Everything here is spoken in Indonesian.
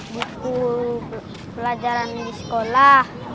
buku pelajaran di sekolah